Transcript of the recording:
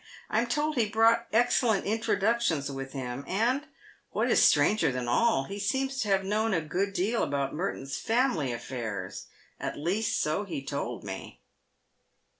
"I'm told he brought excellent introductions with him, and, what is : stranger than all, he seems to have known a good deal about Merton' s v family affairs — at least so he told me."